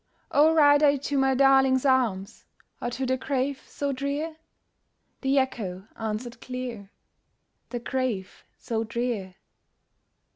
"Oh ride I to my darling's arms, Or to the grave so drear?" The Echo answered clear, "The grave so drear."